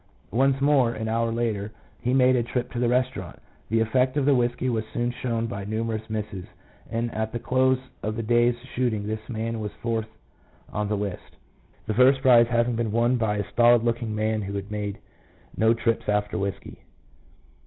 Once more, an hour later, he made a trip to the restaurant. The effect of the whisky was soon shown by numerous misses, and at the close of the day's shooting this man was fourth on the list, the first prize having been won* by a stolid looking man who made no trips after whisky."